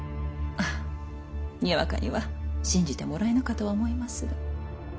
にわかには信じてはもらえぬかと思いますが。